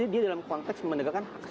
dia dalam konteks menegakkan